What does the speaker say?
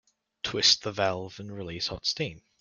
Twist the valve and release hot steam.